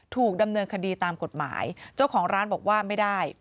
ถูกดำเนินคดีตามกฎหมายเจ้าของร้านบอกว่าไม่ได้